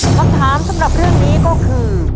คำถามสำหรับเรื่องนี้ก็คือ